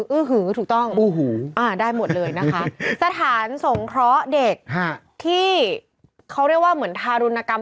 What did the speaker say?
ื้อหือถูกต้องได้หมดเลยนะคะสถานสงเคราะห์เด็กที่เขาเรียกว่าเหมือนทารุณกรรม